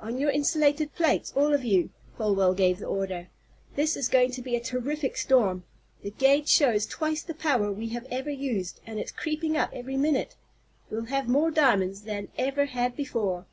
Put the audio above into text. "On your insulated plates all of you," Folwell gave the order. "This is going to be a terrific storm. The gage shows twice the power we have ever used, and it's creeping up every minute! We'll have more diamonds than ever had before!"